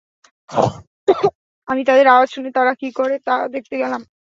আমি তাদের আওয়াজ শুনে তারা কী করে তা দেখতে গেলাম।